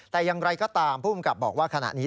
แต่อย่างไรก็ตามผู้กำกับบอกว่าขณะนี้